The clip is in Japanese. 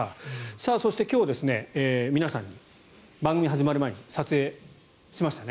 そして今日、皆さん番組が始まる前に撮影しましたね